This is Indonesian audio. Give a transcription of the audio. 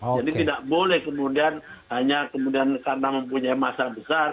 jadi tidak boleh kemudian hanya karena mempunyai masa besar